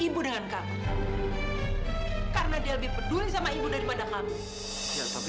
bu teman kamila